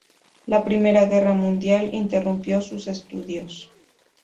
La Primera Guerra Mundial interrumpió sus estudios.